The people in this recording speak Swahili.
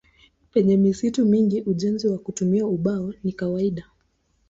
Penye misitu mingi ujenzi kwa kutumia ubao ni kawaida.